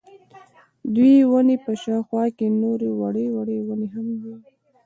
ددې وني په شاوخوا کي نوري وړې وړې وني هم وې